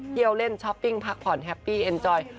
เล่นช้อปปิ้งพักผ่อนแฮปปี้เอ็นจอย